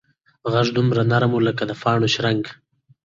غږ دومره نرم و لکه د پاڼو شرنګ.